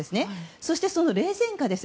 そして、その冷戦下です。